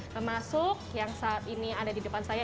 termasuk yang saat ini ada di depan saya